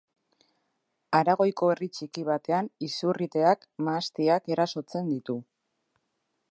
Aragoiko herri txiki batean izurriteak mahastiak erasotzen ditu.